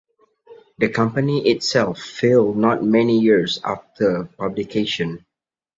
The company itself failed not many years after publication.